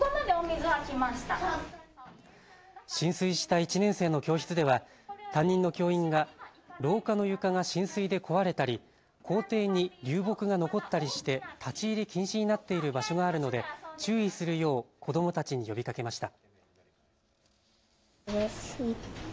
浸水した１年生の教室では担任の教員が廊下の床が浸水で壊れたり校庭に流木が残ったりして立ち入り禁止になっている場所があるので注意するよう子どもたちに呼びかけました。